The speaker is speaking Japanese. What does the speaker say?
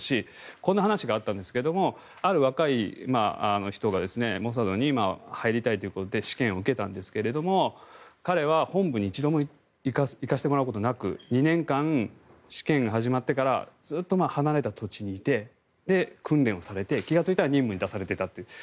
こんな話があったんですがある若い人がモサドに今、入りたいということで試験を受けたんですが彼は本部に一度も行かせてもらうことなく２年間、試験が始まってからずっと離れた土地にいて訓練をされて、気がついたら任務に出されていたという。